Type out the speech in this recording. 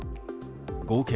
合計